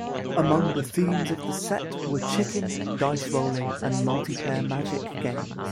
Among the themes of the set were chicken, dice rolling and multiplayer Magic games.